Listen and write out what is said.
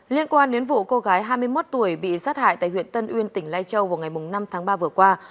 liên quan đến vụ cô gái hai mươi một tuổi bị sát hại tại huyện tân uyên tỉnh lai châu vào ngày năm tháng ba vừa qua